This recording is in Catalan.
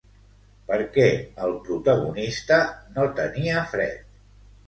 Per què el protagonista no tenia fred?